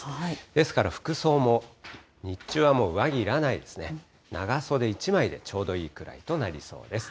ですから、服装も日中はもう上着いらないですね、長袖１枚でちょうどいいぐらいとなりそうです。